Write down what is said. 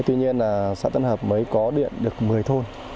tuy nhiên là sã tân hập mới có điện được một mươi thôn